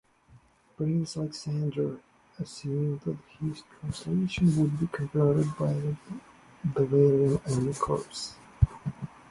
Prince Alexander assumed that this transition would be covered by the Bavarian army corps.